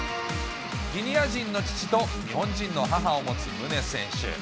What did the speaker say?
ギニア人の父と日本人の母を持つ宗選手。